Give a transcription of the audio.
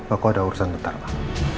aku ada urusan bentar pak